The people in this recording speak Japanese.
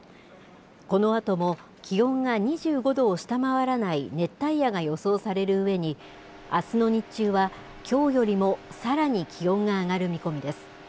このあとも気温が２５度を下回らない熱帯夜が予想されるうえに、あすの日中は、きょうよりもさらに気温が上がる見込みです。